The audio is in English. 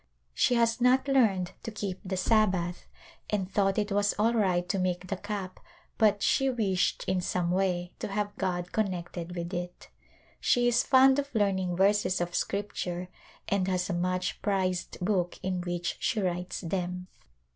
She has not learned to keep the Sabbath and thought it was all right to make the cap but she wished in some way to have God connected with it. She is fond of learning verses of Scripture and has a much prized book in which she writes them.